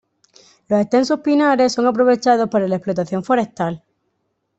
Los extensos pinares son aprovechados para la explotación forestal.